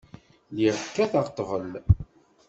Lliɣ kkateɣ ḍḍbel.